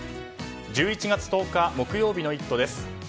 １１月１０日木曜日の「イット！」です。